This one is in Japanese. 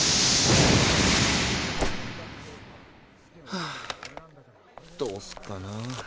はどうすっかな。